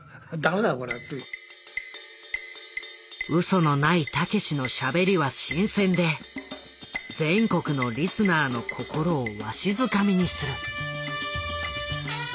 嘘のないたけしのしゃべりは新鮮で全国のリスナーの心をわしづかみにする。